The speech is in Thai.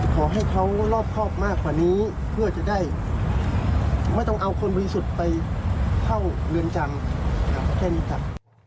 ขอให้เขารอบครอบมากกว่านี้เพื่อจะได้ไม่ต้องเอาคนบริสุทธิ์ไปเข้าเรือนจำแค่นี้ครับ